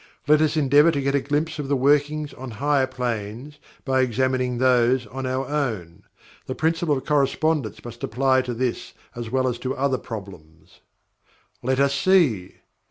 Let us endeavor to get a glimpse of the workings on higher planes by examining those on our own. The Principle of Correspondence must apply to this as well as to other problems. Let us see!